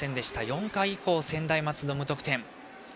４回以降、専大松戸無得点。